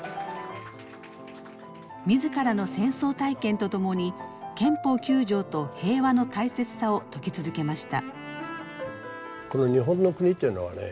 自らの戦争体験とともに憲法九条と平和の大切さを説き続けました。